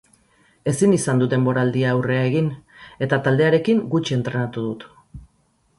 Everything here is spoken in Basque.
Ezin izan dut denboraldiaurrea egin eta taldearekin gutxi entrenatu dut.